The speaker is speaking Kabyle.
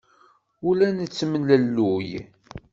Ur la nettemlelluy.